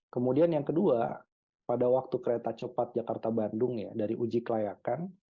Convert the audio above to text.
kemudian yang kedua pada waktu kereta cepat jakarta bandung ya dari uji kelayakan